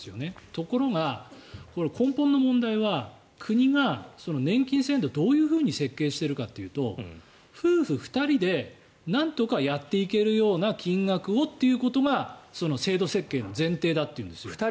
ところが、根本の問題は国が年金制度をどう設計しているかというと夫婦２人でなんとかやっていけるような金額をというのがその制度設計の前提だというんですよ。